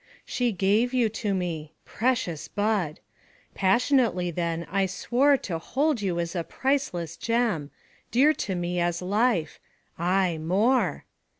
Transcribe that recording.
She gave you to me. Precious bud! Passionately then I swore To hold you as a priceless gem, Dear to me as life aye more!